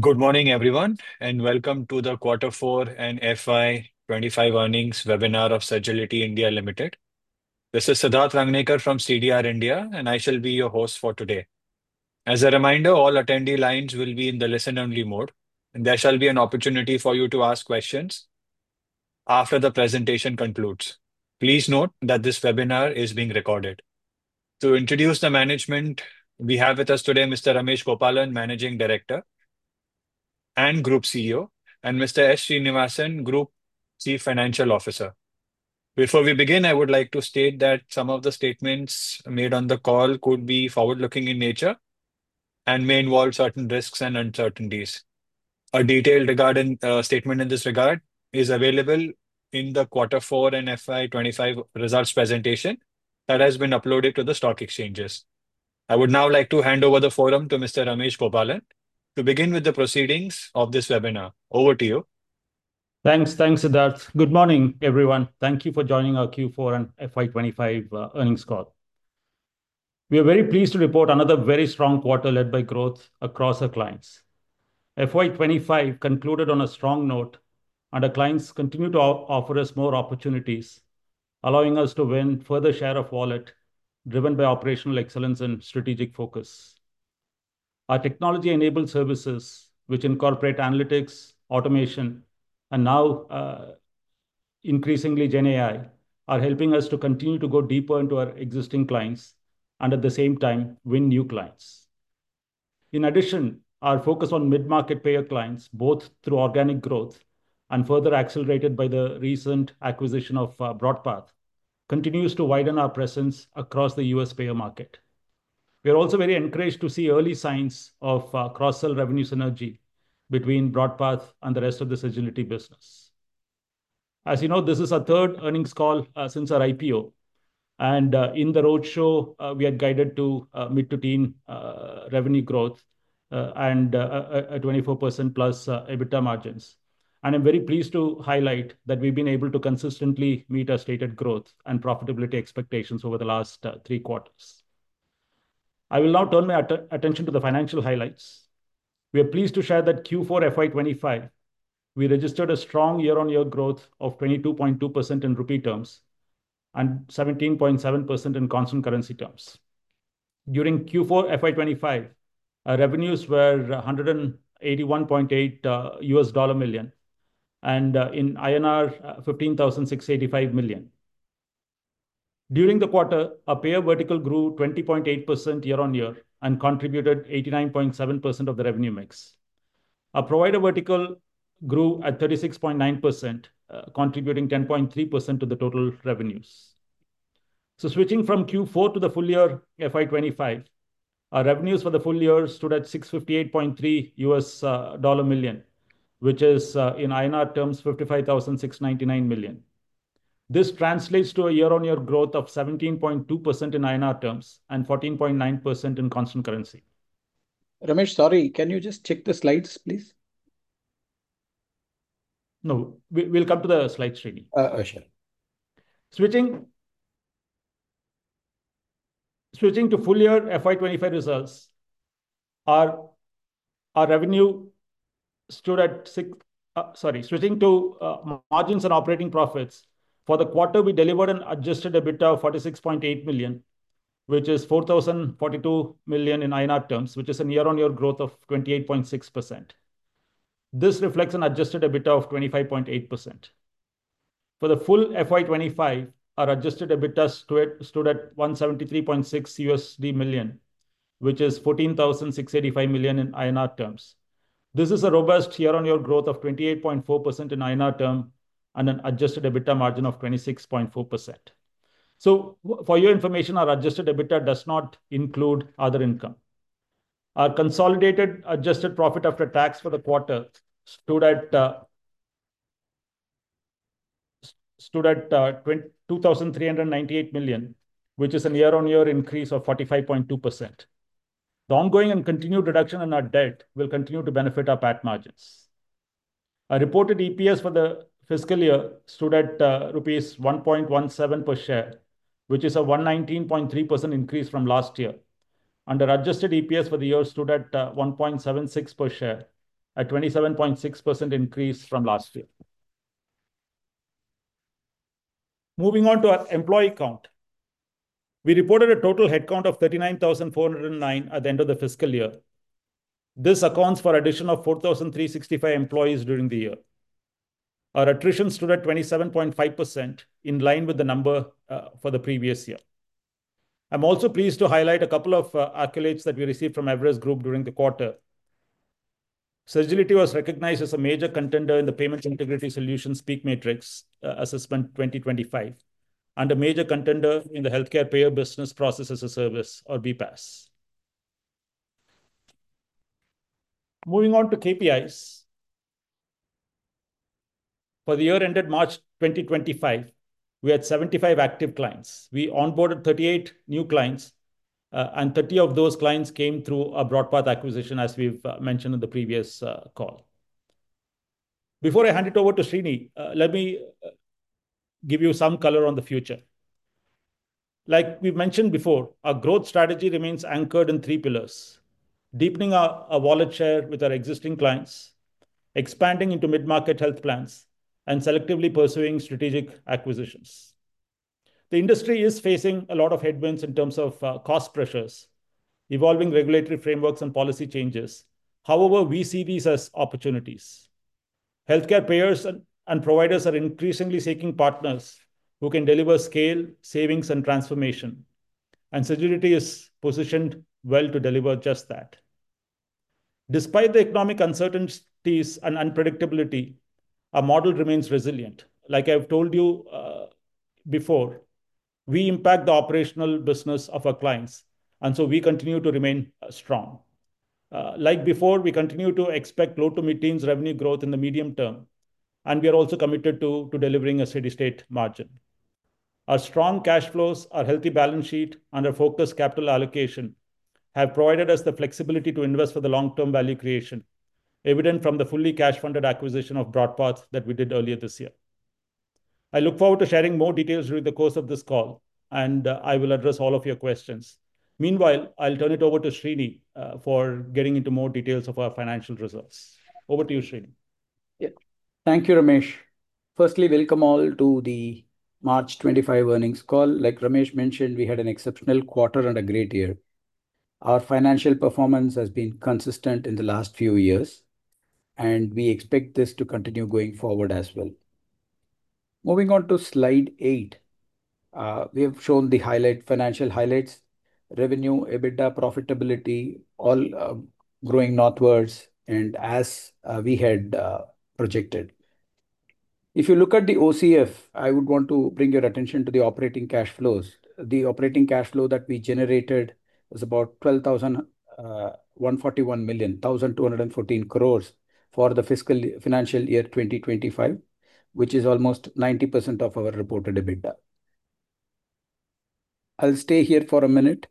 Good morning, everyone, and welcome to the Q4 and FY25 earnings webinar of Sagility India Limited. This is Siddharth Rangnekar from CDR India, and I shall be your host for today. As a reminder, all attendee lines will be in the listen-only mode, and there shall be an opportunity for you to ask questions after the presentation concludes. Please note that this webinar is being recorded. To introduce the management, we have with us today Mr. Ramesh Gopalan, Managing Director and Group CEO, and Mr. S. G. Srinivasan, Group Chief Financial Officer. Before we begin, I would like to state that some of the statements made on the call could be forward-looking in nature and may involve certain risks and uncertainties. A detailed statement in this regard is available in the Q4 and FY25 results presentation that has been uploaded to the stock exchanges. I would now like to hand over the forum to Mr. Ramesh Gopalan to begin with the proceedings of this webinar. Over to you. Thanks, Siddharth. Good morning, everyone. Thank you for joining our Q4 and FY25 earnings call. We are very pleased to report another very strong quarter led by growth across our clients. FY25 concluded on a strong note, and our clients continue to offer us more opportunities, allowing us to win further share of wallet driven by operational excellence and strategic focus. Our technology-enabled services, which incorporate analytics, automation, and now increasingly GenAI, are helping us to continue to go deeper into our existing clients and, at the same time, win new clients. In addition, our focus on mid-market payer clients, both through organic growth and further accelerated by the recent acquisition of BroadPath, continues to widen our presence across the US payer market. We are also very encouraged to see early signs of cross-sell revenue synergy between BroadPath and the rest of the Sagility business. As you know, this is our third earnings call since our IPO, and in the roadshow, we are guided to mid-to-teen revenue growth and 24% plus EBITDA margins. And I'm very pleased to highlight that we've been able to consistently meet our stated growth and profitability expectations over the last three quarters. I will now turn my attention to the financial highlights. We are pleased to share that Q4 FY25, we registered a strong year-on-year growth of 22.2% in rupee terms and 17.7% in constant currency terms. During Q4 FY25, our revenues were $181.8 million and INR 15,685 million. During the quarter, our payer vertical grew 20.8% year-on-year and contributed 89.7% of the revenue mix. Our provider vertical grew at 36.9%, contributing 10.3% to the total revenues. Switching from Q4 to the full year FY25, our revenues for the full year stood at $658.3 million, which is in INR terms 55,699 million INR. This translates to a year-on-year growth of 17.2% in INR terms and 14.9% in constant currency. Ramesh, sorry, can you just check the slides, please? No, we'll come to the slides, Srini. Sure. Switching to margins and operating profits, for the quarter, sorry, we delivered an adjusted EBITDA of $46.8 million, which is 4,042 million INR, which is a year-on-year growth of 28.6%. This reflects an adjusted EBITDA of 25.8%. For the full FY25, our adjusted EBITDA stood at $173.6 million, which is 14,685 million INR. This is a robust year-on-year growth of 28.4% in INR terms and an adjusted EBITDA margin of 26.4%. So, for your information, our adjusted EBITDA does not include other income. Our consolidated adjusted profit after tax for the quarter stood at 2,398 million, which is a year-on-year increase of 45.2%. The ongoing and continued reduction in our debt will continue to benefit our PAT margins. Our reported EPS for the fiscal year stood at ₹1.17 per share, which is a 119.3% increase from last year. Our adjusted EPS for the year stood at ₹1.76 per share, a 27.6% increase from last year. Moving on to our employee count, we reported a total headcount of 39,409 at the end of the fiscal year. This accounts for an addition of 4,365 employees during the year. Our attrition stood at 27.5%, in line with the number for the previous year. I'm also pleased to highlight a couple of accolades that we received from Everest Group during the quarter. Sagility was recognized as a major contender in the Payment Integrity Solutions PEAK Matrix Assessment 2025 and a major contender in the Healthcare Payer Business Process as a Service, or BPaaS. Moving on to KPIs. For the year ended March 2025, we had 75 active clients. We onboarded 38 new clients, and 30 of those clients came through a BroadPath acquisition, as we've mentioned in the previous call. Before I hand it over to Srini, let me give you some color on the future. Like we've mentioned before, our growth strategy remains anchored in three pillars: deepening our wallet share with our existing clients, expanding into mid-market health plans, and selectively pursuing strategic acquisitions. The industry is facing a lot of headwinds in terms of cost pressures, evolving regulatory frameworks, and policy changes. However, we see these as opportunities. Healthcare payers and providers are increasingly seeking partners who can deliver scale, savings, and transformation, and Sagility is positioned well to deliver just that. Despite the economic uncertainties and unpredictability, our model remains resilient. Like I've told you before, we impact the operational business of our clients, and so we continue to remain strong. Like before, we continue to expect low-to-mid teens revenue growth in the medium term, and we are also committed to delivering a steady-state margin. Our strong cash flows, our healthy balance sheet, and our focused capital allocation have provided us the flexibility to invest for the long-term value creation, evident from the fully cash-funded acquisition of BroadPath that we did earlier this year. I look forward to sharing more details during the course of this call, and I will address all of your questions. Meanwhile, I'll turn it over to Srini for getting into more details of our financial results. Over to you, Srini. Yeah, thank you, Ramesh. First, welcome all to the March 25 earnings call. Like Ramesh mentioned, we had an exceptional quarter and a great year. Our financial performance has been consistent in the last few years, and we expect this to continue going forward as well. Moving on to slide 8, we have shown the financial highlights: revenue, EBITDA, profitability, all growing northwards and as we had projected. If you look at the OCF, I would want to bring your attention to the operating cash flows. The operating cash flow that we generated was about $1,241 million, 1,214 crores for the fiscal financial year 2025, which is almost 90% of our reported EBITDA. I'll stay here for a minute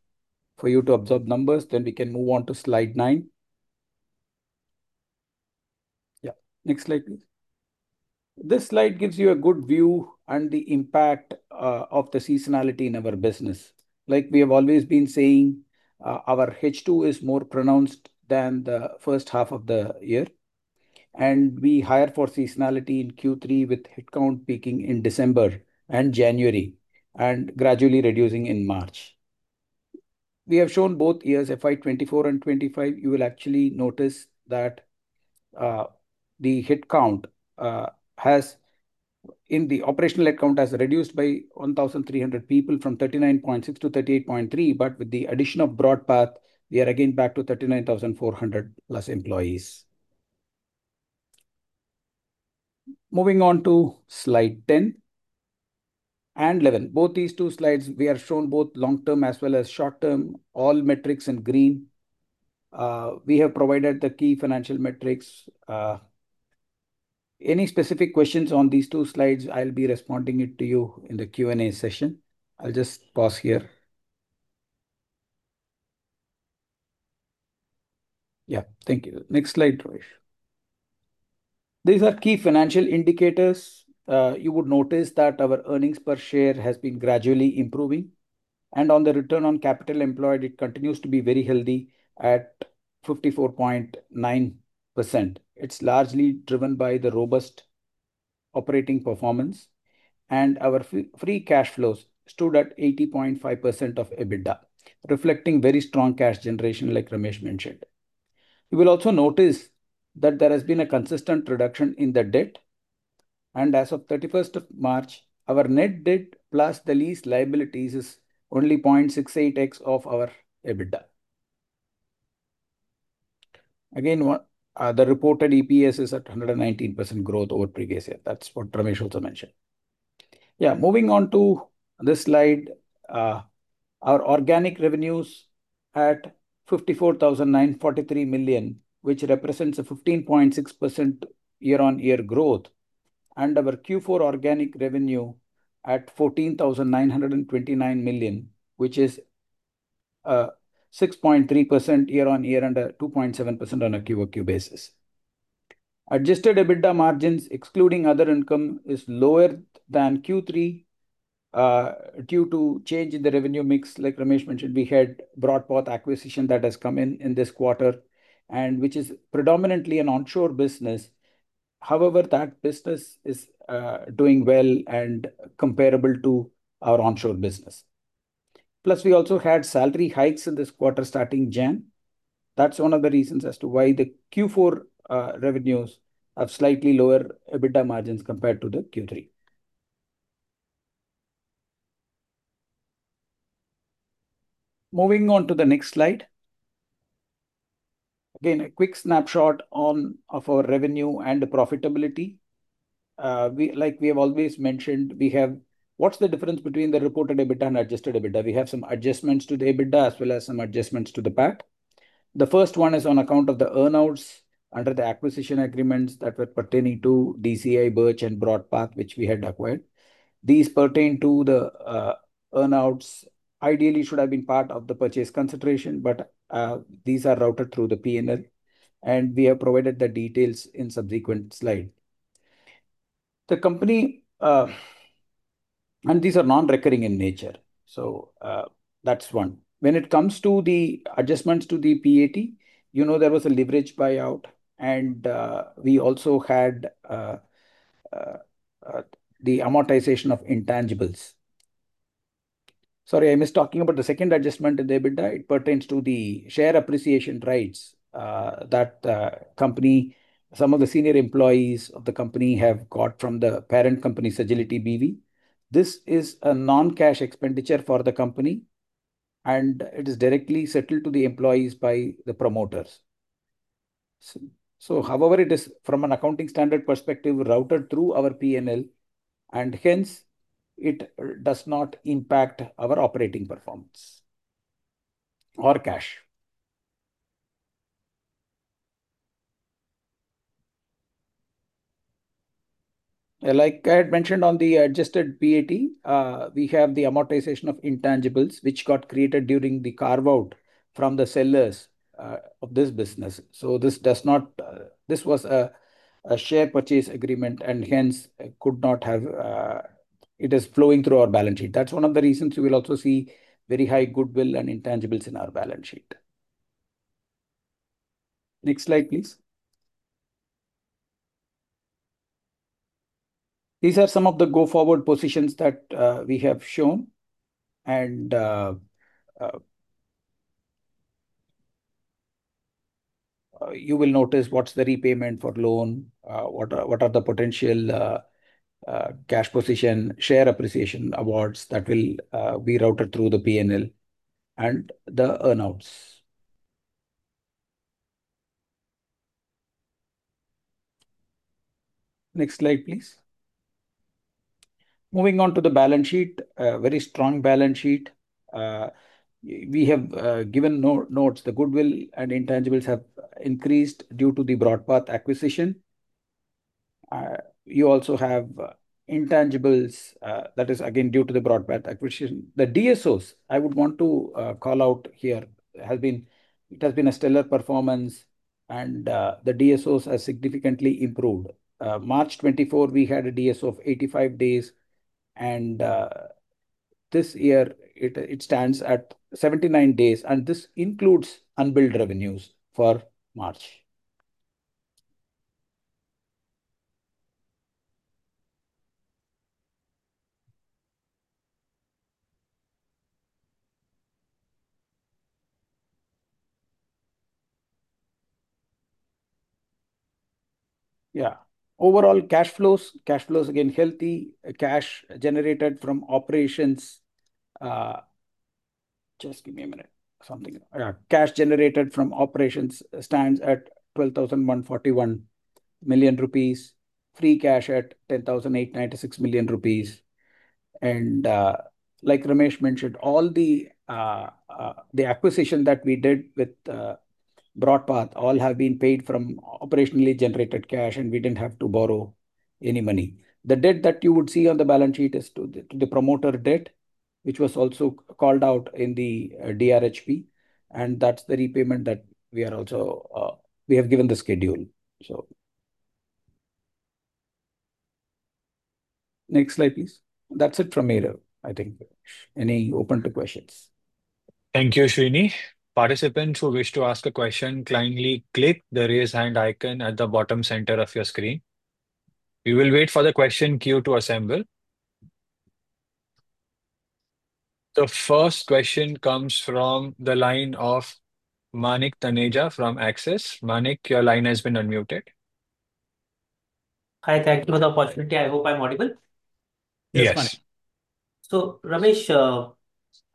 for you to observe numbers, then we can move on to slide 9. Yeah, next slide, please. This slide gives you a good view and the impact of the seasonality in our business. Like we have always been saying, our H2 is more pronounced than the first half of the year, and we hire for seasonality in Q3 with headcount peaking in December and January and gradually reducing in March. We have shown both years, FY24 and FY25. You will actually notice that the operational headcount has reduced by 1,300 people from 39.6 to 38.3, but with the addition of BroadPath, we are again back to 39,400 plus employees. Moving on to slide 10 and 11, both these two slides, we are shown both long-term as well as short-term, all metrics in green. We have provided the key financial metrics. Any specific questions on these two slides, I'll be responding to you in the Q&A session. I'll just pause here. Yeah, thank you. Next slide, Ramesh. These are key financial indicators. You would notice that our earnings per share has been gradually improving, and on the return on capital employed, it continues to be very healthy at 54.9%. It's largely driven by the robust operating performance, and our free cash flows stood at 80.5% of EBITDA, reflecting very strong cash generation, like Ramesh mentioned. You will also notice that there has been a consistent reduction in the debt, and as of 31st of March, our net debt plus the lease liabilities is only 0.68x of our EBITDA. Again, the reported EPS is at 119% growth over previous year. That's what Ramesh also mentioned. Yeah, moving on to this slide, our organic revenues at 54,943 million, which represents a 15.6% year-on-year growth, and our Q4 organic revenue at 14,929 million, which is 6.3% year-on-year and a 2.7% on a QoQ basis. Adjusted EBITDA margins, excluding other income, is lower than Q3 due to change in the revenue mix. Like Ramesh mentioned, we had BroadPath acquisition that has come in in this quarter, and which is predominantly an onshore business. However, that business is doing well and comparable to our onshore business. Plus, we also had salary hikes in this quarter starting January. That's one of the reasons as to why the Q4 revenues have slightly lower EBITDA margins compared to the Q3. Moving on to the next slide. Again, a quick snapshot of our revenue and profitability. Like we have always mentioned, we have what's the difference between the reported EBITDA and adjusted EBITDA? We have some adjustments to the EBITDA as well as some adjustments to the PAT. The first one is on account of the earnouts under the acquisition agreements that were pertaining to DCI, Birch and BroadPath, which we had acquired. These pertain to the earnouts, ideally should have been part of the purchase consideration, but these are routed through the P&L, and we have provided the details in subsequent slide. The company, and these are non-recurring in nature, so that's one. When it comes to the adjustments to the PAT, you know there was a leveraged buyout, and we also had the amortization of intangibles. Sorry, I missed talking about the second adjustment in the EBITDA. It pertains to the share appreciation rights that the company, some of the senior employees of the company have got from the parent company, Sagility B.V. This is a non-cash expenditure for the company, and it is directly settled to the employees by the promoters. However, it is, from an accounting standard perspective, routed through our P&L, and hence it does not impact our operating performance or cash. Like I had mentioned on the adjusted PAT, we have the amortization of intangibles, which got created during the carve-out from the sellers of this business. This was a share purchase agreement, and hence it could not have, it is flowing through our balance sheet. That's one of the reasons you will also see very high goodwill and intangibles in our balance sheet. Next slide, please. These are some of the go-forward positions that we have shown, and you will notice what's the repayment for loan, what are the potential cash position, share appreciation awards that will be routed through the P&L and the earnouts. Next slide, please. Moving on to the balance sheet, very strong balance sheet. We have given notes, the goodwill and intangibles have increased due to the BroadPath acquisition. You also have intangibles that is again due to the BroadPath acquisition. The DSOs, I would want to call out here, have been, it has been a stellar performance, and the DSOs have significantly improved. March 2024, we had a DSO of 85 days, and this year it stands at 79 days, and this includes unbilled revenues for March. Yeah, overall cash flows, cash flows again healthy, cash generated from operations, just give me a minute, something, yeah, cash generated from operations stands at 12,141 million rupees, free cash at 10,896 million rupees, and like Ramesh mentioned, all the acquisition that we did with BroadPath all have been paid from operationally generated cash, and we didn't have to borrow any money. The debt that you would see on the balance sheet is to the promoter debt, which was also called out in the DRHP, and that's the repayment that we are also, we have given the schedule, so. Next slide, please. That's it from here, I think. Any open to questions? Thank you, Srini. Participants who wish to ask a question, kindly click the raise hand icon at the bottom center of your screen. We will wait for the question queue to assemble. The first question comes from the line of Manik Taneja from Axis. Manik, your line has been unmuted. Hi, thank you for the opportunity. I hope I'm audible. Yes. Yes, Manik. So Ramesh,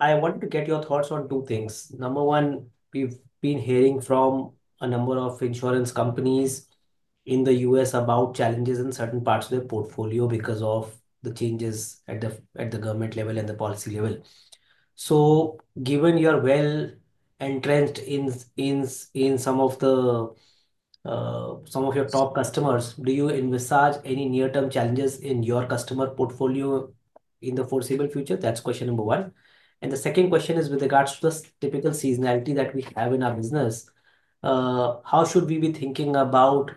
I want to get your thoughts on two things. Number one, we've been hearing from a number of insurance companies in the U.S. about challenges in certain parts of their portfolio because of the changes at the government level and the policy level. So given you're well entrenched in some of your top customers, do you envisage any near-term challenges in your customer portfolio in the foreseeable future? That's question number one. And the second question is with regards to the typical seasonality that we have in our business, how should we be thinking about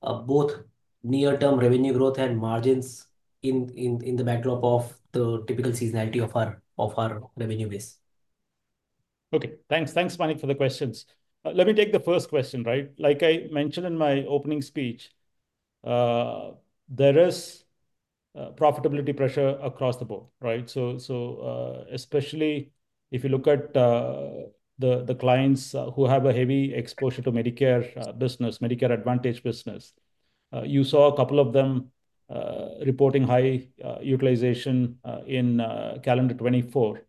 both near-term revenue growth and margins in the backdrop of the typical seasonality of our revenue base? Okay, thanks. Thanks, Manik, for the questions. Let me take the first question, right? Like I mentioned in my opening speech, there is profitability pressure across the board, right? So especially if you look at the clients who have a heavy exposure to Medicare business, Medicare Advantage business, you saw a couple of them reporting high utilization in calendar 2024,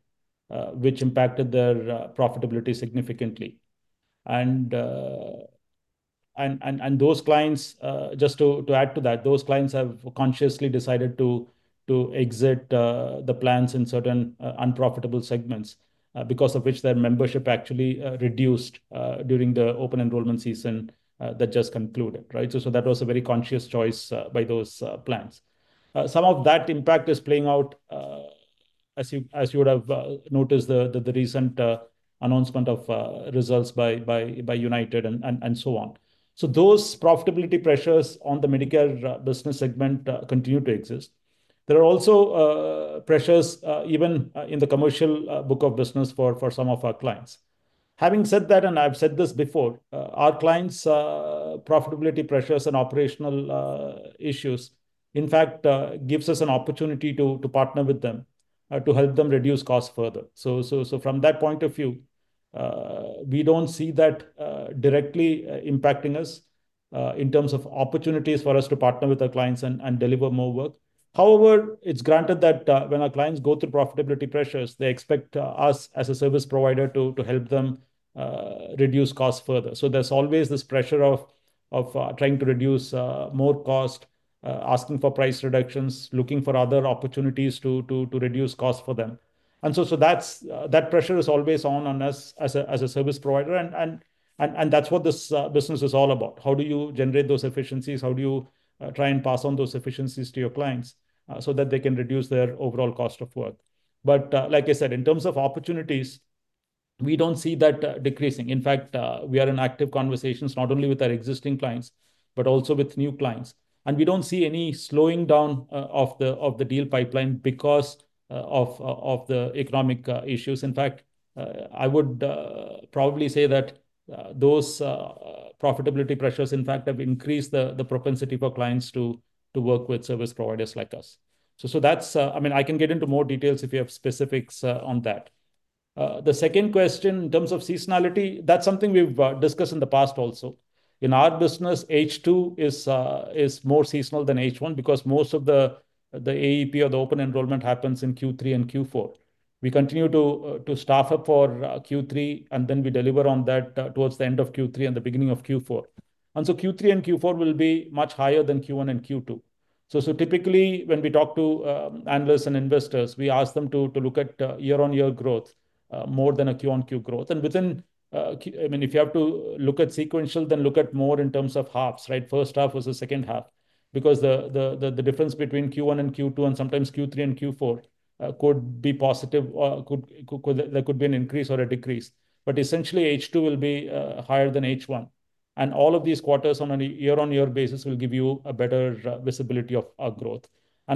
which impacted their profitability significantly. And those clients, just to add to that, those clients have consciously decided to exit the plans in certain unprofitable segments because of which their membership actually reduced during the open enrollment season that just concluded, right? So that was a very conscious choice by those plans. Some of that impact is playing out, as you would have noticed, the recent announcement of results by United and so on. So those profitability pressures on the Medicare business segment continue to exist. There are also pressures even in the commercial book of business for some of our clients. Having said that, and I've said this before, our clients' profitability pressures and operational issues, in fact, give us an opportunity to partner with them to help them reduce costs further. So from that point of view, we don't see that directly impacting us in terms of opportunities for us to partner with our clients and deliver more work. However, it's granted that when our clients go through profitability pressures, they expect us as a service provider to help them reduce costs further. So there's always this pressure of trying to reduce more cost, asking for price reductions, looking for other opportunities to reduce costs for them. And so that pressure is always on us as a service provider, and that's what this business is all about. How do you generate those efficiencies? How do you try and pass on those efficiencies to your clients so that they can reduce their overall cost of work, but like I said, in terms of opportunities, we don't see that decreasing. In fact, we are in active conversations not only with our existing clients, but also with new clients, and we don't see any slowing down of the deal pipeline because of the economic issues. In fact, I would probably say that those profitability pressures, in fact, have increased the propensity for clients to work with service providers like us, so that's, I mean, I can get into more details if you have specifics on that. The second question in terms of seasonality, that's something we've discussed in the past also. In our business, H2 is more seasonal than H1 because most of the AEP or the open enrollment happens in Q3 and Q4. We continue to staff up for Q3, and then we deliver on that towards the end of Q3 and the beginning of Q4, and so Q3 and Q4 will be much higher than Q1 and Q2. So typically, when we talk to analysts and investors, we ask them to look at year-on-year growth more than a Q on Q growth, and within, I mean, if you have to look at sequential, then look at more in terms of halves, right? First half versus second half, because the difference between Q1 and Q2 and sometimes Q3 and Q4 could be positive, or there could be an increase or a decrease, but essentially, H2 will be higher than H1, and all of these quarters on a year-on-year basis will give you a better visibility of our growth.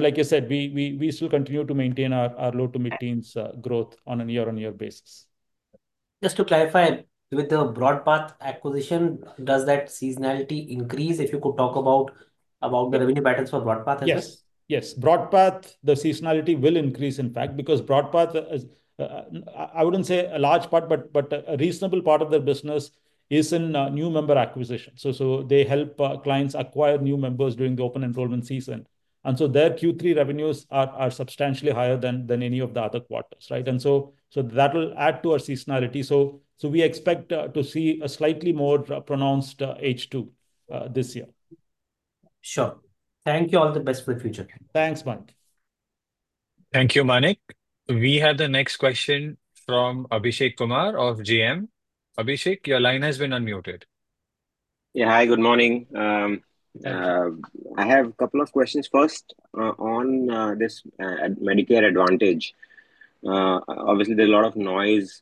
Like I said, we still continue to maintain our low-to-mid teens growth on a year-on-year basis. Just to clarify, with the BroadPath acquisition, does that seasonality increase if you could talk about the revenue patterns for BroadPath as well? Yes, yes. BroadPath, the seasonality will increase, in fact, because BroadPath, I wouldn't say a large part, but a reasonable part of their business is in new member acquisition. So they help clients acquire new members during the open enrollment season. And so their Q3 revenues are substantially higher than any of the other quarters, right? And so that will add to our seasonality. So we expect to see a slightly more pronounced H2 this year. Sure. Thank you. All the best for the future. Thanks, Manik. Thank you, Manik. We have the next question from Abhishek Kumar of JM. Abhishek, your line has been unmuted. Yeah, hi, good morning. I have a couple of questions first on this Medicare Advantage. Obviously, there's a lot of noise,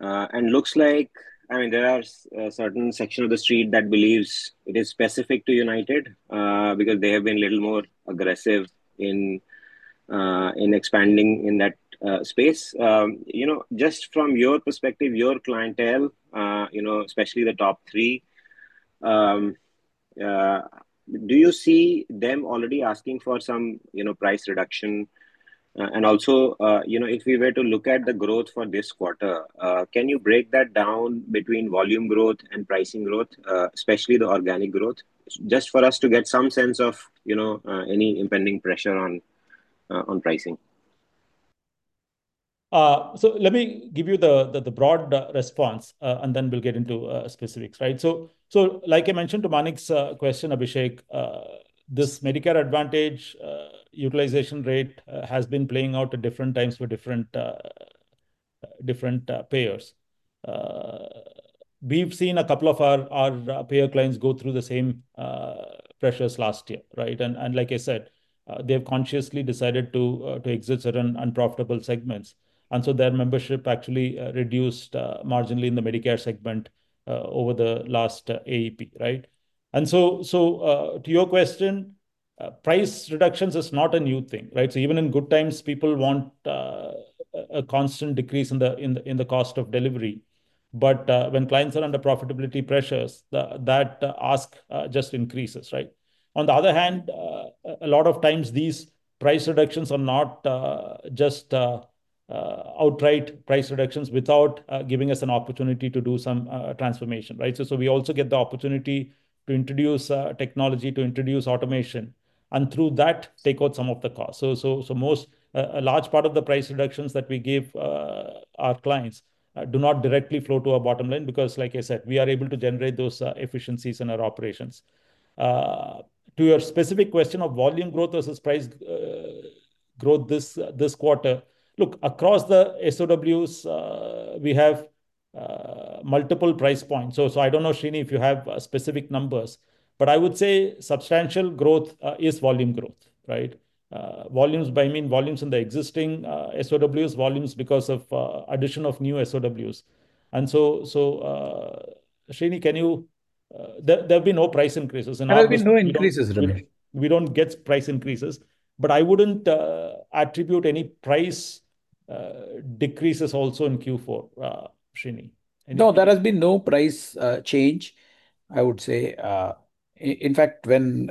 and looks like, I mean, there are certain sections of the street that believe it is specific to United because they have been a little more aggressive in expanding in that space. Just from your perspective, your clientele, especially the top three, do you see them already asking for some price reduction? And also, if we were to look at the growth for this quarter, can you break that down between volume growth and pricing growth, especially the organic growth, just for us to get some sense of any impending pressure on pricing? So let me give you the broad response, and then we'll get into specifics, right? So like I mentioned to Manik's question, Abhishek, this Medicare Advantage utilization rate has been playing out at different times for different payers. We've seen a couple of our payer clients go through the same pressures last year, right? And like I said, they've consciously decided to exit certain unprofitable segments. And so their membership actually reduced marginally in the Medicare segment over the last AEP, right? And so to your question, price reductions is not a new thing, right? So even in good times, people want a constant decrease in the cost of delivery. But when clients are under profitability pressures, that ask just increases, right? On the other hand, a lot of times these price reductions are not just outright price reductions without giving us an opportunity to do some transformation, right? So we also get the opportunity to introduce technology, to introduce automation, and through that, take out some of the costs. So a large part of the price reductions that we give our clients do not directly flow to our bottom line because, like I said, we are able to generate those efficiencies in our operations. To your specific question of volume growth versus price growth this quarter, look, across the SOWs, we have multiple price points. So I don't know, Srini, if you have specific numbers, but I would say substantial growth is volume growth, right? Volumes, I mean volumes in the existing SOWs, volumes because of addition of new SOWs. And so, Srini, can you—there have been no price increases in our— There have been no increases, Ramesh. We don't get price increases, but I wouldn't attribute any price decreases also in Q4, Srini. No, there has been no price change, I would say. In fact, when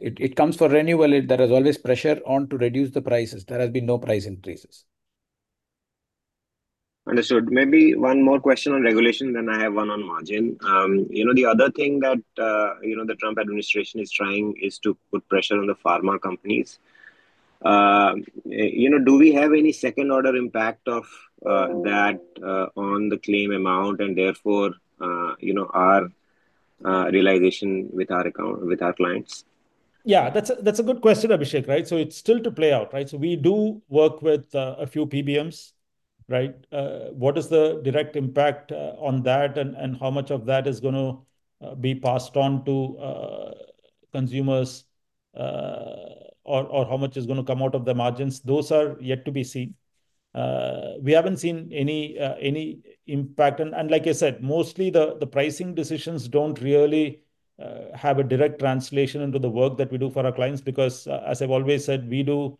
it comes to renewals, there is always pressure on to reduce the prices. There has been no price increases. Understood. Maybe one more question on regulation then I have one on margin. The other thing that the Trump administration is trying is to put pressure on the pharma companies. Do we have any second-order impact of that on the claim amount and therefore our realization with our clients? Yeah, that's a good question, Abhishek, right? So it's still to play out, right? So we do work with a few PBMs, right? What is the direct impact on that and how much of that is going to be passed on to consumers or how much is going to come out of the margins, those are yet to be seen. We haven't seen any impact. And like I said, mostly the pricing decisions don't really have a direct translation into the work that we do for our clients because, as I've always said, we do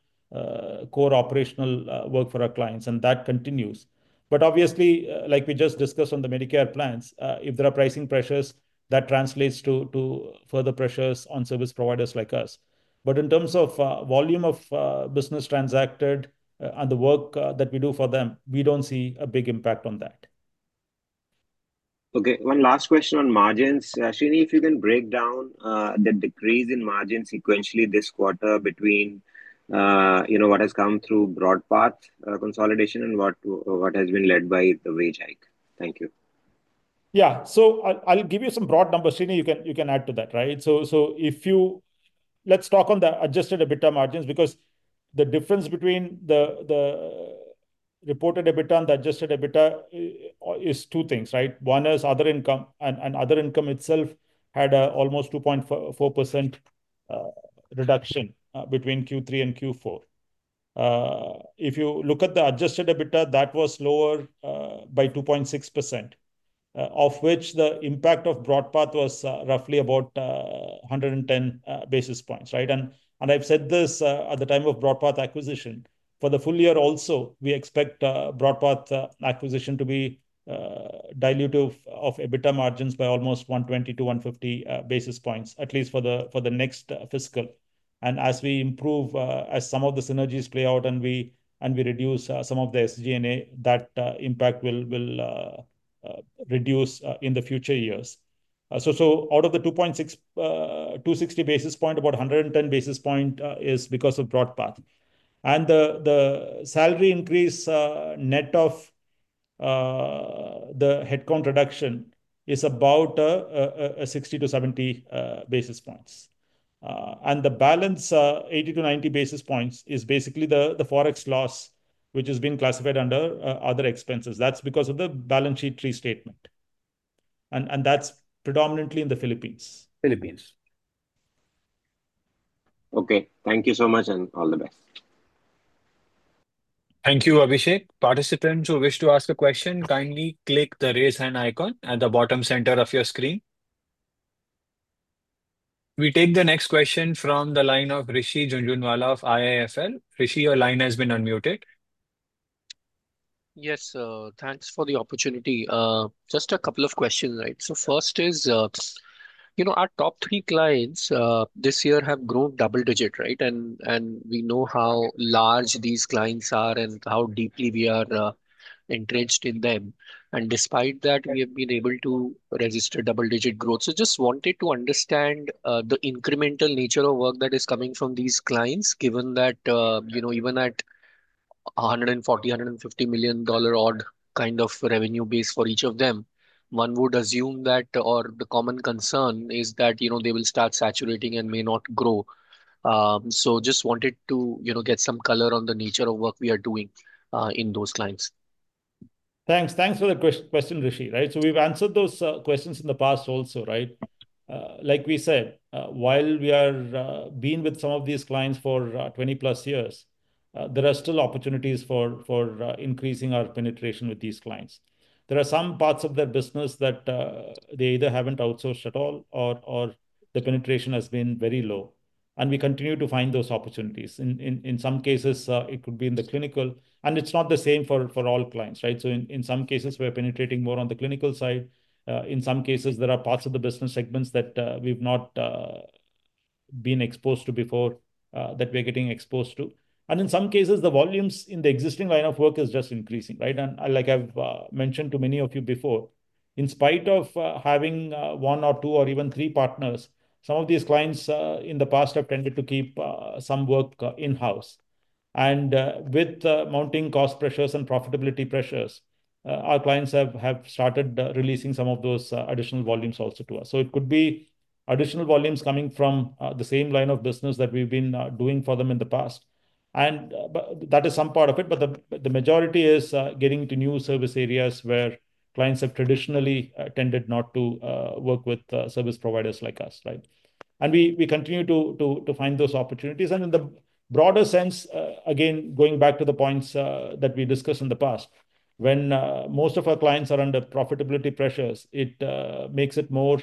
core operational work for our clients, and that continues. But obviously, like we just discussed on the Medicare plans, if there are pricing pressures, that translates to further pressures on service providers like us. But in terms of volume of business transacted and the work that we do for them, we don't see a big impact on that. Okay, one last question on margins. Srini, if you can break down the decrease in margins sequentially this quarter between what has come through BroadPath consolidation and what has been led by the wage hike? Thank you. Yeah, so I'll give you some broad numbers. Srini, you can add to that, right? So let's talk on the adjusted EBITDA margins because the difference between the reported EBITDA and the adjusted EBITDA is two things, right? One is other income, and other income itself had almost 2.4% reduction between Q3 and Q4. If you look at the adjusted EBITDA, that was lower by 2.6%, of which the impact of BroadPath was roughly about 110 basis points, right? And I've said this at the time of BroadPath acquisition. For the full year also, we expect BroadPath acquisition to be diluted of EBITDA margins by almost 120-150 basis points, at least for the next fiscal. And as we improve, as some of the synergies play out and we reduce some of the SG&A, that impact will reduce in the future years. Out of the 260 basis points, about 110 basis points is because of BroadPath. And the salary increase net of the headcount reduction is about 60-70 basis points. And the balance, 80-90 basis points, is basically the forex loss, which has been classified under other expenses. That's because of the balance sheet restatement. And that's predominantly in the Philippines. Philippines. Okay, thank you so much and all the best. Thank you, Abhishek. Participants who wish to ask a question, kindly click the raise hand icon at the bottom center of your screen. We take the next question from the line of Rishi Jhunjhunwala of IIFL. Rishi, your line has been unmuted. Yes, thanks for the opportunity. Just a couple of questions, right? So first is, our top three clients this year have grown double digit, right? And we know how large these clients are and how deeply we are entrenched in them. And despite that, we have been able to register double digit growth. So just wanted to understand the incremental nature of work that is coming from these clients, given that even at $140 million-$150 million odd kind of revenue base for each of them, one would assume that, or the common concern is that they will start saturating and may not grow. So just wanted to get some color on the nature of work we are doing in those clients. Thanks. Thanks for the question, Rishi, right? So we've answered those questions in the past also, right? Like we said, while we have been with some of these clients for 20 plus years, there are still opportunities for increasing our penetration with these clients. There are some parts of their business that they either haven't outsourced at all or the penetration has been very low. And we continue to find those opportunities. In some cases, it could be in the clinical, and it's not the same for all clients, right? So in some cases, we're penetrating more on the clinical side. In some cases, there are parts of the business segments that we've not been exposed to before that we're getting exposed to. And in some cases, the volumes in the existing line of work is just increasing, right? And like I've mentioned to many of you before, in spite of having one or two or even three partners, some of these clients in the past have tended to keep some work in-house. And with mounting cost pressures and profitability pressures, our clients have started releasing some of those additional volumes also to us. So it could be additional volumes coming from the same line of business that we've been doing for them in the past. And that is some part of it, but the majority is getting to new service areas where clients have traditionally tended not to work with service providers like us, right? And we continue to find those opportunities. And in the broader sense, again, going back to the points that we discussed in the past, when most of our clients are under profitability pressures, it makes it more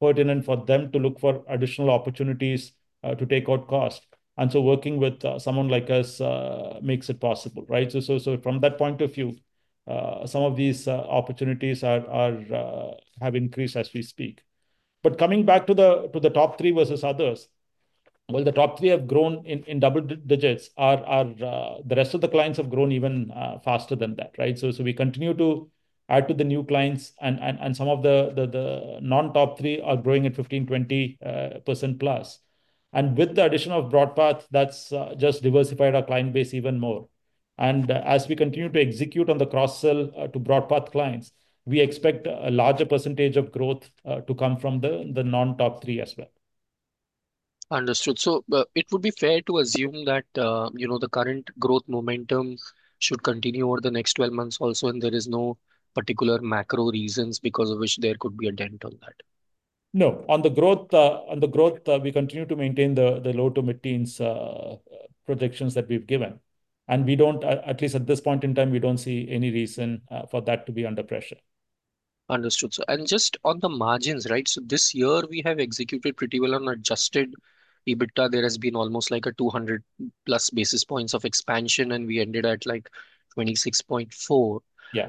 pertinent for them to look for additional opportunities to take out cost. And so working with someone like us makes it possible, right? So from that point of view, some of these opportunities have increased as we speak. But coming back to the top three versus others, well, the top three have grown in double digits. The rest of the clients have grown even faster than that, right? So we continue to add to the new clients, and some of the non-top three are growing at 15%-20%+. And with the addition of BroadPath, that's just diversified our client base even more. As we continue to execute on the cross-sell to BroadPath clients, we expect a larger percentage of growth to come from the non-top three as well. Understood. So it would be fair to assume that the current growth momentum should continue over the next 12 months also, and there are no particular macro reasons because of which there could be a dent on that. No. On the growth, we continue to maintain the low to mid-teens projections that we've given, and at least at this point in time, we don't see any reason for that to be under pressure. Understood. And just on the margins, right? So this year, we have executed pretty well on Adjusted EBITDA. There has been almost like a 200 plus basis points of expansion, and we ended at like 26.4%. We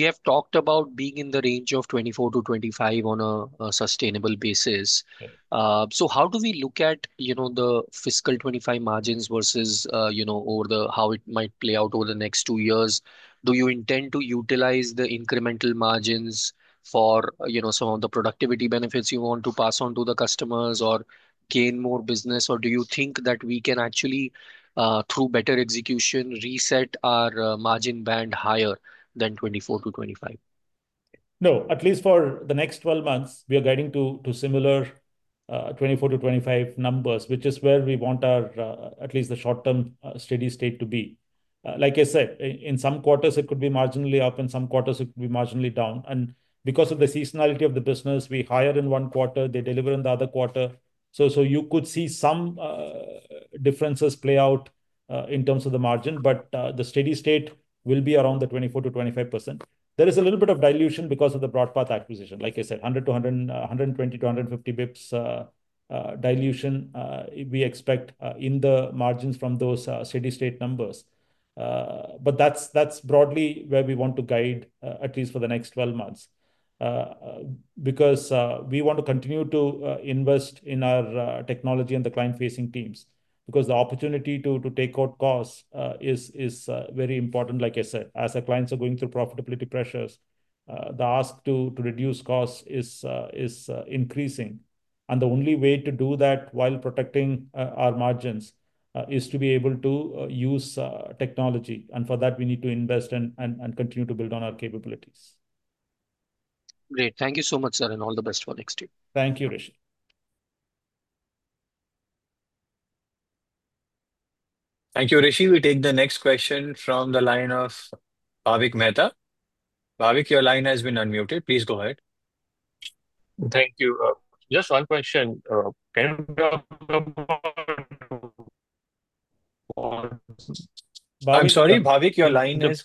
have talked about being in the range of 24%-25% on a sustainable basis. So how do we look at the fiscal 2025 margins versus how it might play out over the next two years? Do you intend to utilize the incremental margins for some of the productivity benefits you want to pass on to the customers or gain more business? Or do you think that we can actually, through better execution, reset our margin band higher than 24%-25%? No, at least for the next 12 months, we are getting to similar 24%-25% numbers, which is where we want our at least the short-term steady state to be. Like I said, in some quarters, it could be marginally up. In some quarters, it could be marginally down. And because of the seasonality of the business, we hire in one quarter, they deliver in the other quarter. So you could see some differences play out in terms of the margin, but the steady state will be around the 24%-25%. There is a little bit of dilution because of the BroadPath acquisition. Like I said, 100 to 120 to 150 basis points dilution we expect in the margins from those steady state numbers. but that's broadly where we want to guide at least for the next 12 months because we want to continue to invest in our technology and the client-facing teams because the opportunity to take out costs is very important, like I said. As our clients are going through profitability pressures, the ask to reduce costs is increasing. And the only way to do that while protecting our margins is to be able to use technology. And for that, we need to invest and continue to build on our capabilities. Great. Thank you so much, sir, and all the best for next year. Thank you, Rishi. Thank you, Rishi. We take the next question from the line of Bhavik Mehta. Bhavik, your line has been unmuted. Please go ahead. Thank you. Just one question. I'm sorry, Bhavik, your line is.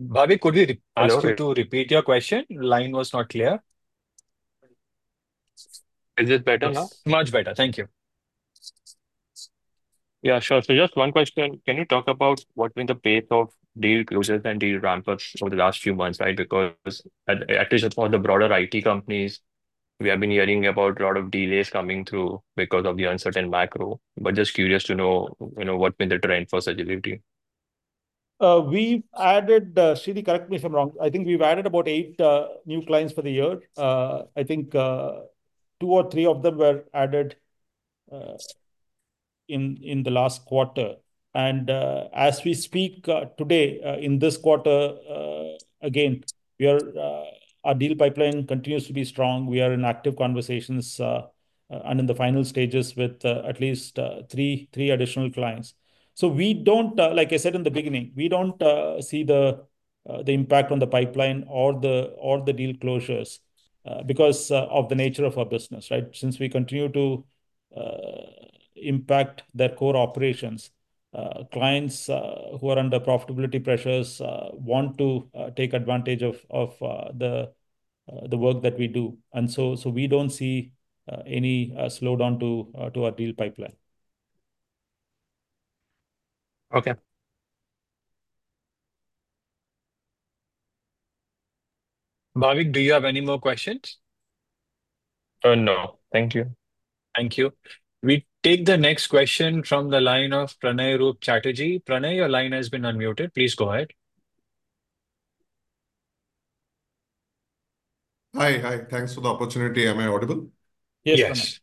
Bhavik, could you ask me to repeat your question? Line was not clear. Is it better now? Much better. Thank you. Yeah, sure. So just one question. Can you talk about what's been the pace of deal closures and deal ramp-ups over the last few months, right? Because at least for the broader IT companies, we have been hearing about a lot of delays coming through because of the uncertain macro. But just curious to know what's been the trend for Sagility? We've added, Srini, correct me if I'm wrong. I think we've added about eight new clients for the year. I think two or three of them were added in the last quarter. And as we speak today in this quarter, again, our deal pipeline continues to be strong. We are in active conversations and in the final stages with at least three additional clients. So like I said in the beginning, we don't see the impact on the pipeline or the deal closures because of the nature of our business, right? Since we continue to impact their core operations, clients who are under profitability pressures want to take advantage of the work that we do. And so we don't see any slowdown to our deal pipeline. Okay. Bhavik, do you have any more questions? No. Thank you. Thank you. We take the next question from the line of Pranay Roop Chatterjee. Pranay, your line has been unmuted. Please go ahead. Hi. Thanks for the opportunity. Am I audible? Yes.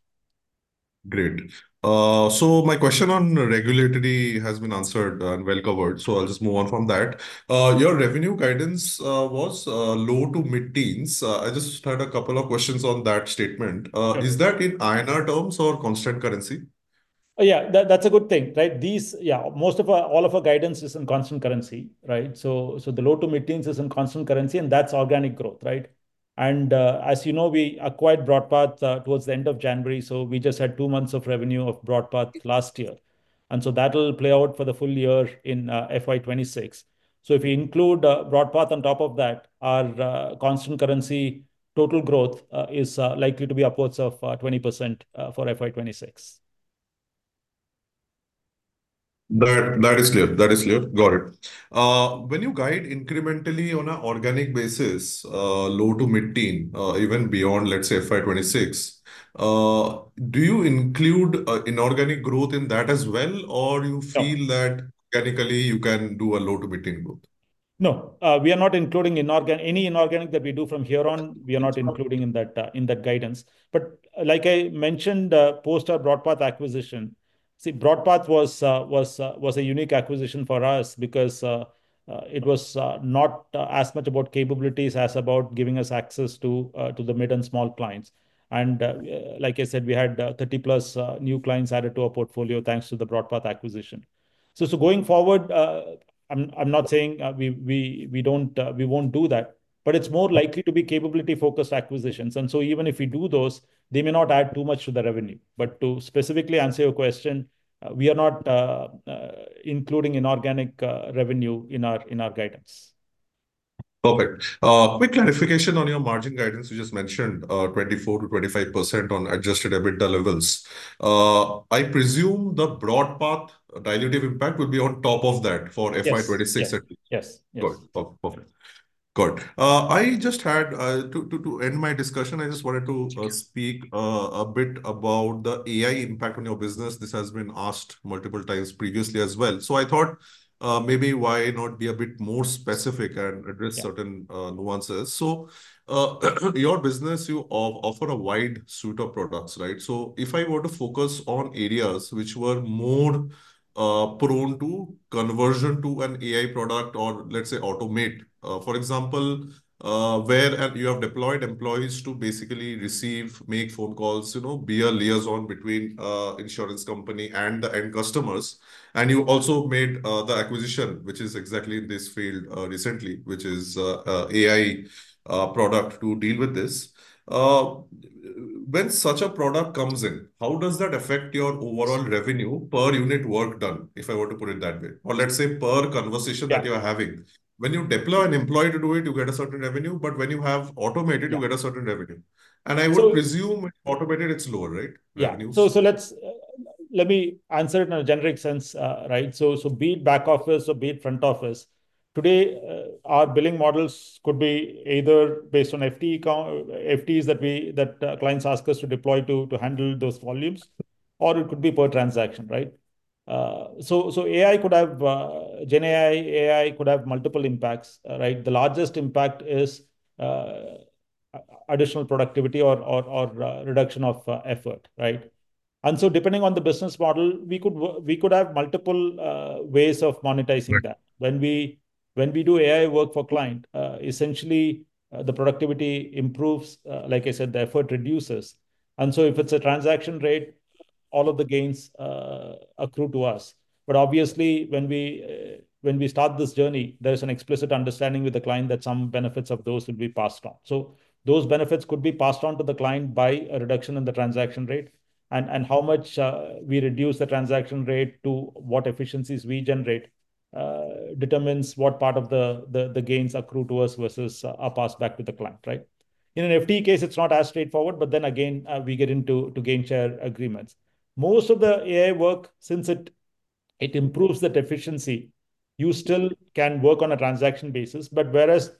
Great. So my question on regulatory has been answered and well covered. So I'll just move on from that. Your revenue guidance was low to mid-teens. I just had a couple of questions on that statement. Is that in INR terms or constant currency? Yeah, that's a good thing, right? Yeah, all of our guidance is in constant currency, right? So the low to mid-teens is in constant currency, and that's organic growth, right? And as you know, we acquired BroadPath towards the end of January. So we just had two months of revenue of BroadPath last year. And so that'll play out for the full year in FY26. So if we include BroadPath on top of that, our constant currency total growth is likely to be upwards of 20% for FY26. That is clear. That is clear. Got it. When you guide incrementally on an organic basis, low to mid-teen, even beyond, let's say, FY26, do you include inorganic growth in that as well, or do you feel that technically you can do a low to mid-teen growth? No. We are not including any inorganic that we do from here on. We are not including in that guidance. But like I mentioned post our BroadPath acquisition, see, BroadPath was a unique acquisition for us because it was not as much about capabilities as about giving us access to the mid and small clients. And like I said, we had 30 plus new clients added to our portfolio thanks to the BroadPath acquisition. So going forward, I'm not saying we won't do that, but it's more likely to be capability-focused acquisitions. And so even if we do those, they may not add too much to the revenue. But to specifically answer your question, we are not including inorganic revenue in our guidance. Perfect. Quick clarification on your margin guidance you just mentioned, 24%-25% on Adjusted EBITDA levels. I presume the BroadPath dilutive impact will be on top of that for FY26. Yes. Yes. Good. Perfect. Good. I just had to end my discussion. I just wanted to speak a bit about the AI impact on your business. This has been asked multiple times previously as well. So I thought maybe why not be a bit more specific and address certain nuances. So your business, you offer a wide suite of products, right? So if I were to focus on areas which were more prone to conversion to an AI product or let's say automate, for example, where you have deployed employees to basically receive, make phone calls, be a liaison between insurance company and the end customers. And you also made the acquisition, which is exactly in this field recently, which is an AI product to deal with this. When such a product comes in, how does that affect your overall revenue per unit work done, if I were to put it that way? Or let's say per conversation that you are having. When you deploy an employee to do it, you get a certain revenue. But when you have automated, you get a certain revenue. And I would presume when you automate it, it's lower, right? Yeah. So let me answer it in a generic sense, right? So be it back office or be it front office. Today, our billing models could be either based on FTEs that clients ask us to deploy to handle those volumes, or it could be per transaction, right? So AI could have GenAI, AI could have multiple impacts, right? The largest impact is additional productivity or reduction of effort, right? And so depending on the business model, we could have multiple ways of monetizing that. When we do AI work for client, essentially, the productivity improves. Like I said, the effort reduces. And so if it's a transaction rate, all of the gains accrue to us. But obviously, when we start this journey, there is an explicit understanding with the client that some benefits of those will be passed on. So those benefits could be passed on to the client by a reduction in the transaction rate. And how much we reduce the transaction rate to what efficiencies we generate determines what part of the gains accrue to us versus are passed back to the client, right? In an FTE case, it's not as straightforward, but then again, we get into game share agreements. Most of the AI work, since it improves the efficiency, you still can work on a transaction basis. But whereas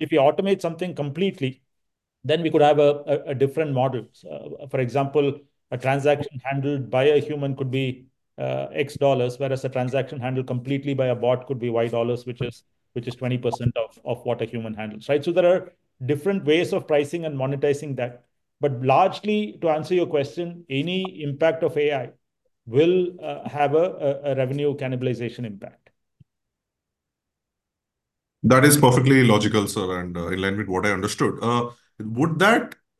if you automate something completely, then we could have a different model. For example, a transaction handled by a human could be X dollars, whereas a transaction handled completely by a bot could be Y dollars, which is 20% of what a human handles, right? So there are different ways of pricing and monetizing that. But largely, to answer your question, any impact of AI will have a revenue cannibalization impact. That is perfectly logical, sir, and in line with what I understood.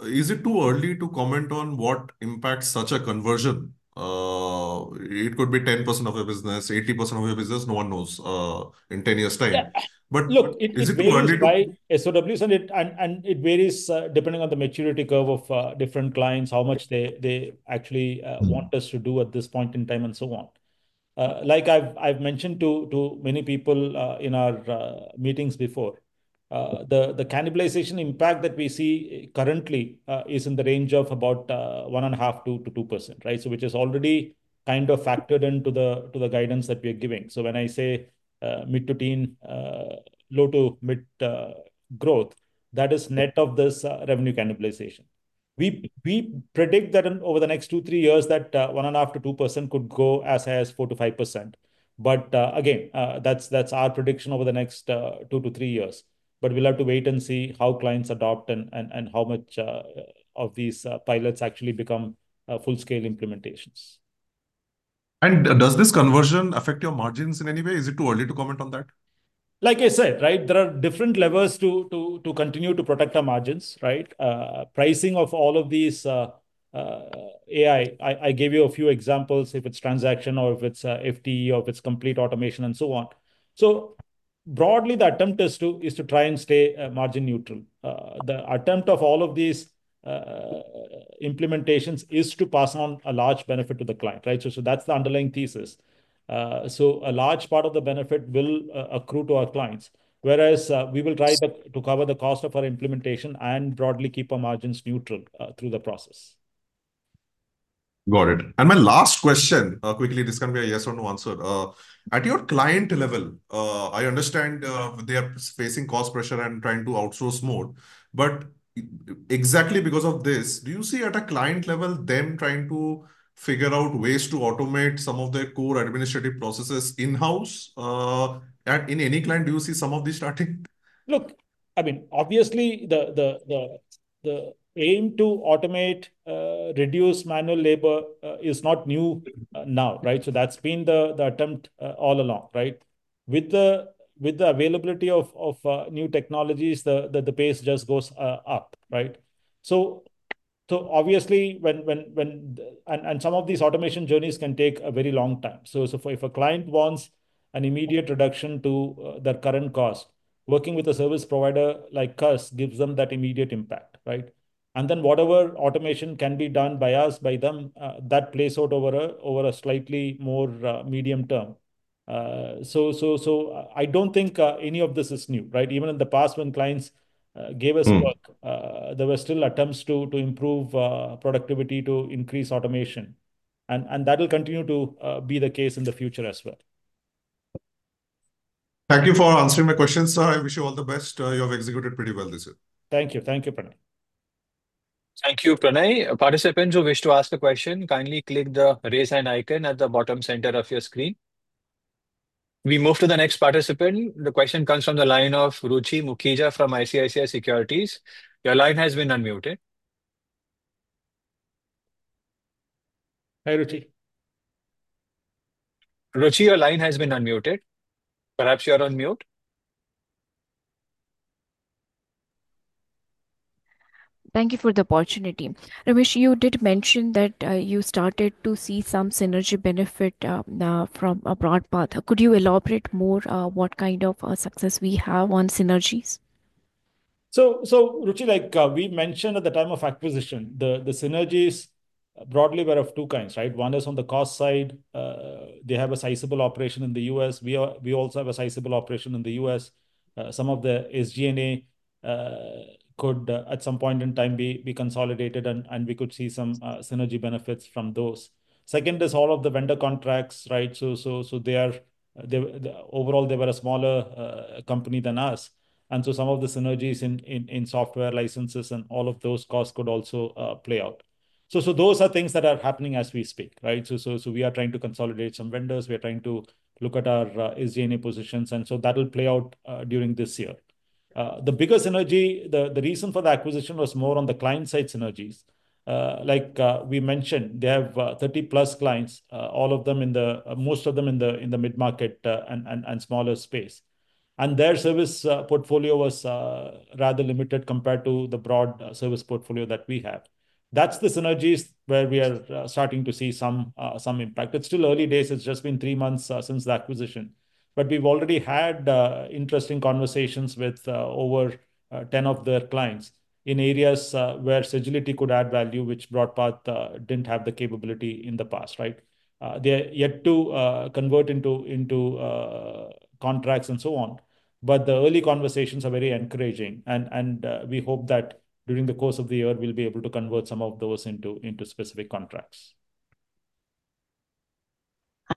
Is it too early to comment on what impacts such a conversion? It could be 10% of your business, 80% of your business. No one knows in 10 years' time. Look, it depends on why SOWs, and it varies depending on the maturity curve of different clients, how much they actually want us to do at this point in time and so on. Like I've mentioned to many people in our meetings before, the cannibalization impact that we see currently is in the range of about 1.5%-2%, right? So which has already kind of factored into the guidance that we are giving. So when I say mid to teen, low to mid growth, that is net of this revenue cannibalization. We predict that over the next two, three years, that 1.5%-2% could go as high as 4%-5%. But again, that's our prediction over the next two to three years. But we'll have to wait and see how clients adopt and how much of these pilots actually become full-scale implementations. Does this conversion affect your margins in any way? Is it too early to comment on that? Like I said, right, there are different levers to continue to protect our margins, right? Pricing of all of these AI, I gave you a few examples if it's transaction or if it's FTE or if it's complete automation and so on. So broadly, the attempt is to try and stay margin neutral. The attempt of all of these implementations is to pass on a large benefit to the client, right? So that's the underlying thesis. So a large part of the benefit will accrue to our clients, whereas we will try to cover the cost of our implementation and broadly keep our margins neutral through the process. Got it. And my last question, quickly this can be a yes or no answer. At your client level, I understand they are facing cost pressure and trying to outsource more. But exactly because of this, do you see at a client level them trying to figure out ways to automate some of their core administrative processes in-house? And in any client, do you see some of these starting? Look, I mean, obviously, the aim to automate, reduce manual labor is not new now, right? So that's been the attempt all along, right? With the availability of new technologies, the pace just goes up, right? So obviously, and some of these automation journeys can take a very long time. So if a client wants an immediate reduction to their current cost, working with a service provider like us gives them that immediate impact, right? And then whatever automation can be done by us, by them, that plays out over a slightly more medium term. So I don't think any of this is new, right? Even in the past, when clients gave us work, there were still attempts to improve productivity, to increase automation. And that will continue to be the case in the future as well. Thank you for answering my question, sir. I wish you all the best. You have executed pretty well this year. Thank you. Thank you, Pranay. Thank you, Pranay. Participants who wish to ask a question, kindly click the raise hand icon at the bottom center of your screen. We move to the next participant. The question comes from the line of Ruchi Mukhija from ICICI Securities. Your line has been unmuted. Hi, Ruchi. Ruchi, your line has been unmuted. Perhaps you're on mute. Thank you for the opportunity. Ramesh, you did mention that you started to see some synergy benefit from a BroadPath. Could you elaborate more what kind of success we have on synergies? Ruchi, like we mentioned at the time of acquisition, the synergies broadly were of two kinds, right? One is on the cost side. They have a sizable operation in the U.S.. We also have a sizable operation in the U.S.. Some of the SG&A could at some point in time be consolidated, and we could see some synergy benefits from those. Second is all of the vendor contracts, right? So overall, they were a smaller company than us. And so some of the synergies in software licenses and all of those costs could also play out. So those are things that are happening as we speak, right? So we are trying to consolidate some vendors. We are trying to look at our SG&A positions. And so that will play out during this year. The bigger synergy, the reason for the acquisition was more on the client-side synergies. Like we mentioned, they have 30 plus clients, all of them, most of them in the mid-market and smaller space. And their service portfolio was rather limited compared to the broad service portfolio that we have. That's the synergies where we are starting to see some impact. It's still early days. It's just been three months since the acquisition. But we've already had interesting conversations with over 10 of their clients in areas where Sagility could add value, which BroadPath didn't have the capability in the past, right? They yet to convert into contracts and so on. But the early conversations are very encouraging. And we hope that during the course of the year, we'll be able to convert some of those into specific contracts.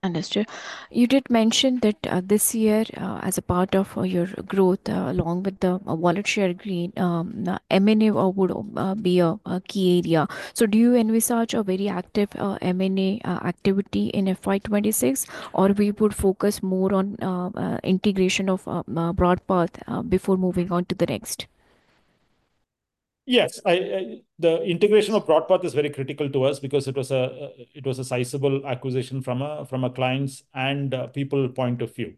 Understood. You did mention that this year, as a part of your growth, along with the wallet share agreement, M&A would be a key area. So do you envisage a very active M&A activity in FY26, or we would focus more on integration of BroadPath before moving on to the next? Yes. The integration of BroadPath is very critical to us because it was a sizable acquisition from a client's and people's point of view.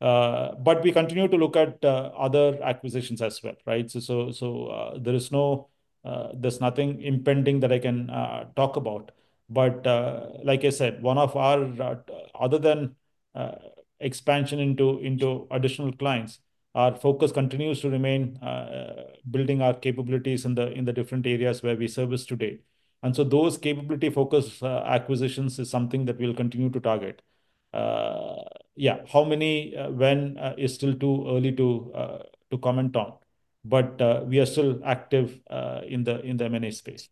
But we continue to look at other acquisitions as well, right? So there's nothing impending that I can talk about. But like I said, one of our, other than expansion into additional clients, our focus continues to remain building our capabilities in the different areas where we service today. And so those capability-focused acquisitions is something that we'll continue to target. Yeah, how many, when is still too early to comment on. But we are still active in the M&A space.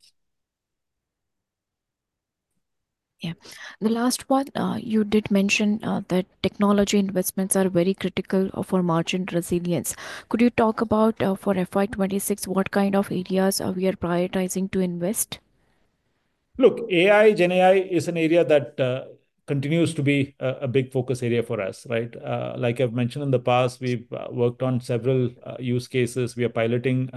Yeah. The last one, you did mention that technology investments are very critical for margin resilience. Could you talk about for FY26, what kind of areas we are prioritizing to invest? Look, AI, GenAI is an area that continues to be a big focus area for us, right? Like I've mentioned in the past, we've worked on several use cases. We are piloting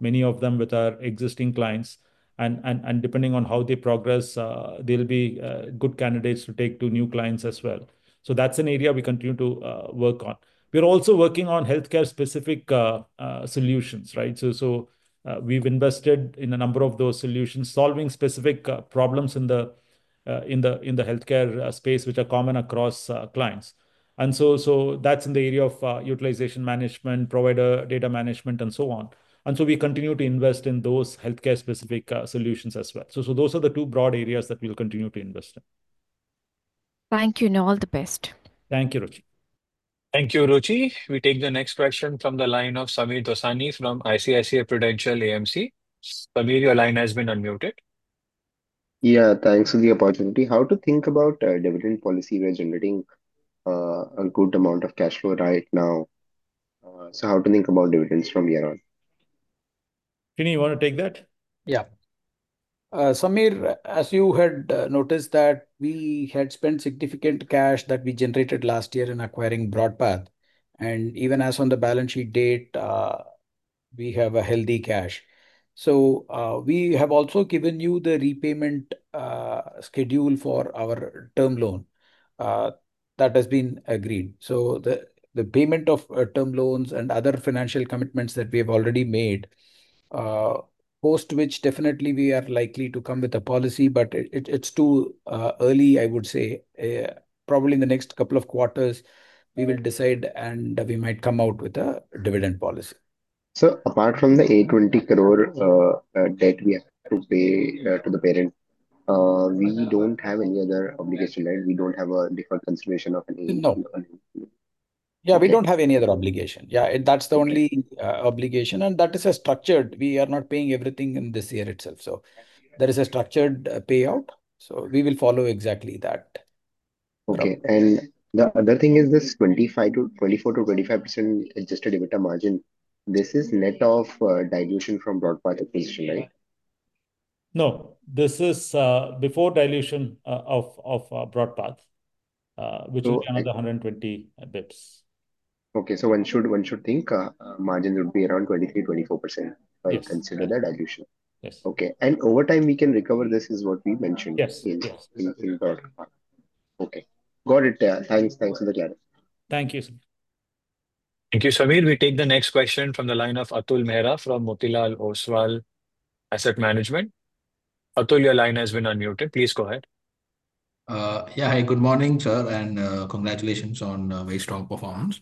many of them with our existing clients. And depending on how they progress, they'll be good candidates to take to new clients as well. So that's an area we continue to work on. We're also working on healthcare-specific solutions, right? So we've invested in a number of those solutions, solving specific problems in the healthcare space, which are common across clients. And so that's in the area of utilization management, provider data management, and so on. And so we continue to invest in those healthcare-specific solutions as well. So those are the two broad areas that we'll continue to invest in. Thank you. And all the best. Thank you, Ruchi. Thank you, Ruchi. We take the next question from the line of Sameer Dosani from ICICI Prudential AMC. Sameer, your line has been unmuted. Yeah. Thanks for the opportunity. How to think about dividend policy regenerating a good amount of cash flow right now? So how to think about dividends from here on? Srini, you want to take that? Yeah. Sameer, as you had noticed that we had spent significant cash that we generated last year in acquiring BroadPath. And even as on the balance sheet date, we have a healthy cash. So we have also given you the repayment schedule for our term loan that has been agreed. So the payment of term loans and other financial commitments that we have already made, post which definitely we are likely to come with a policy, but it's too early, I would say. Probably in the next couple of quarters, we will decide, and we might come out with a dividend policy. So apart from the ₹20 crore debt we have to pay to the parent, we don't have any other obligation, right? We don't have a different consideration of any. Yeah, we don't have any other obligation. Yeah, that's the only obligation. And that is structured. We are not paying everything in this year itself. So there is a structured payout. So we will follow exactly that. Okay. And the other thing is this 24%-25% Adjusted EBITDA margin. This is net of dilution from BroadPath acquisition, right? No, this is before dilution of BroadPath, which is another 120 basis points. Okay. So one should think margins would be around 23%-24% if you consider the dilution. Yes. Okay, and over time, we can recover. This is what we mentioned. Yes. Okay. Got it. Thanks for the clarity. Thank you. Thank you, Sameer. We take the next question from the line of Atul Mehra from Motilal Oswal Asset Management. Atul, your line has been unmuted. Please go ahead. Yeah. Hi, good morning, sir. And congratulations on very strong performance.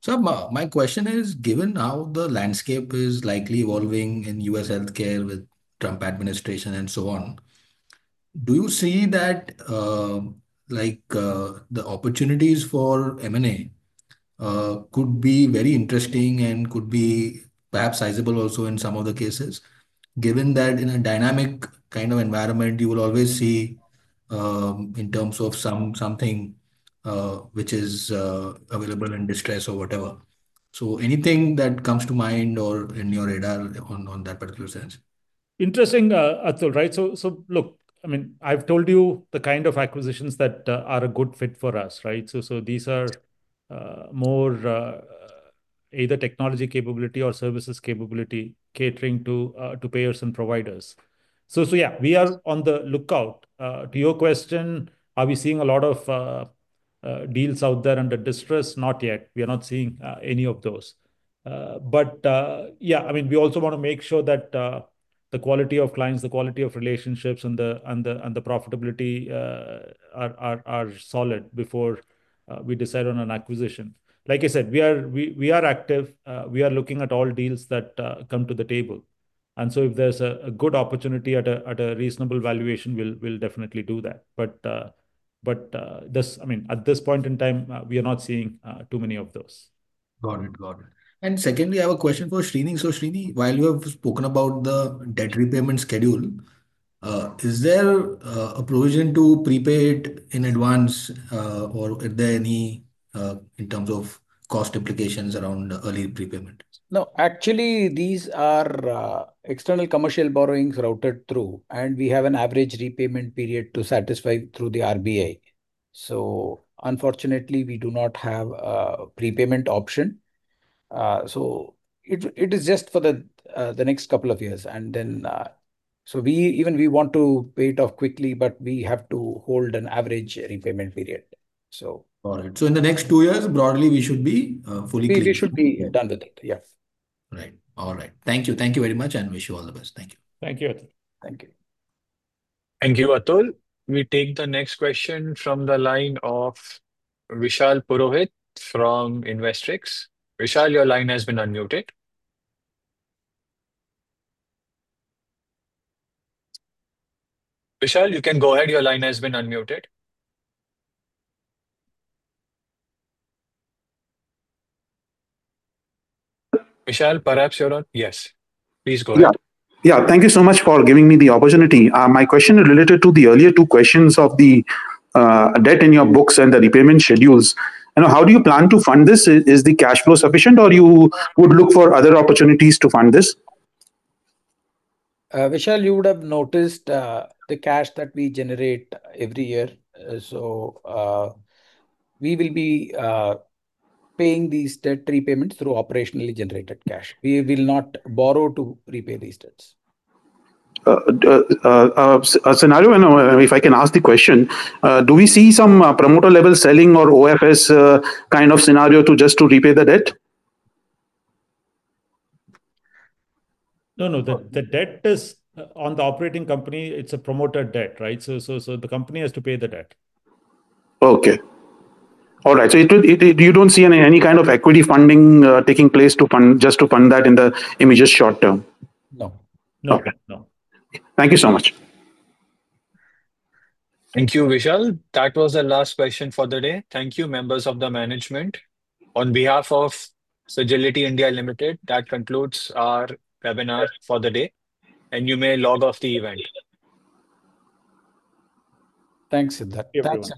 So my question is, given how the landscape is likely evolving in U.S. healthcare with Trump administration and so on, do you see that the opportunities for M&A could be very interesting and could be perhaps sizable also in some of the cases, given that in a dynamic kind of environment, you will always see in terms of something which is available in distress or whatever? So anything that comes to mind or in your radar on that particular sense? Interesting, Atul, right? So look, I mean, I've told you the kind of acquisitions that are a good fit for us, right? So these are more either technology capability or services capability catering to payers and providers. So yeah, we are on the lookout. To your question, are we seeing a lot of deals out there under distress? Not yet. We are not seeing any of those. But yeah, I mean, we also want to make sure that the quality of clients, the quality of relationships, and the profitability are solid before we decide on an acquisition. Like I said, we are active. We are looking at all deals that come to the table. And so if there's a good opportunity at a reasonable valuation, we'll definitely do that. But I mean, at this point in time, we are not seeing too many of those. Got it. Got it. And secondly, I have a question for Srini. So Srini, while you have spoken about the debt repayment schedule, is there a provision to prepay it in advance, or are there any in terms of cost implications around early prepayment? No, actually, these are external commercial borrowings routed through, and we have an average repayment period to satisfy through the RBI. Unfortunately, we do not have a prepayment option, so it is just for the next couple of years, and then so even we want to pay it off quickly, but we have to hold an average repayment period. Got it. So in the next two years, broadly, we should be fully prepared. We should be done with it. Yeah. Right. All right. Thank you. Thank you very much, and wish you all the best. Thank you. Thank you. Thank you, Atul. We take the next question from the line of Vishal Purohit from Investrix. Vishal, your line has been unmuted. Vishal, you can go ahead. Your line has been unmuted. Vishal, perhaps you're on. Yes. Please go ahead. Yeah. Thank you so much for giving me the opportunity. My question is related to the earlier two questions of the debt in your books and the repayment schedules. How do you plan to fund this? Is the cash flow sufficient, or you would look for other opportunities to fund this? Vishal, you would have noticed the cash that we generate every year. So we will be paying these debt repayments through operationally generated cash. We will not borrow to repay these debts. A scenario, and if I can ask the question, do we see some promoter level selling or OFS kind of scenario just to repay the debt? No, no. The debt is on the operating company. It's a promoter debt, right? So the company has to pay the debt. Okay. All right. So you don't see any kind of equity funding taking place just to fund that in the immediate short term? No. No. Thank you so much. Thank you, Vishal. That was the last question for the day. Thank you, members of the management. On behalf of Sagility India Limited, that concludes our webinar for the day, and you may log off the event. Thanks. Thanks.